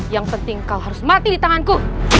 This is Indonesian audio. yang penting kau harus mati di tanganku